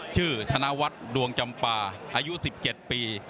ธนวัฒน์ดวงจำปาอายุ๑๗ปี